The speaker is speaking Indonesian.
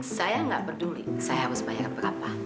saya nggak peduli saya harus bayar berapa